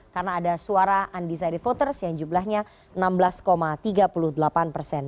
karena ada suara undecided voters yang jumlahnya enam belas tiga puluh delapan persen